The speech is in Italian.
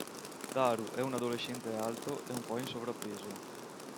Daru è un adolescente alto e un po' in sovrappeso.